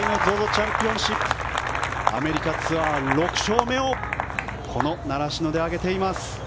チャンピオンシップアメリカツアー６勝目を習志野で挙げています。